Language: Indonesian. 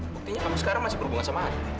buktinya kamu sekarang masih berhubungan sama adi